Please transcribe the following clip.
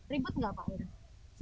ribet nggak pak